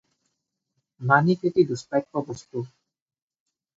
মাণিক এটি দুষ্প্ৰাপ্য বস্তু।